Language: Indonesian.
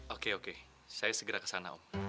oke oke saya segera kesana om